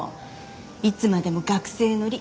いつまでも学生ノリ